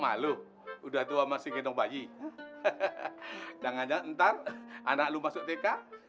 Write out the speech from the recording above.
lalu udah tua masih gendong bayi dan nganjur ntar anak lu masuk tk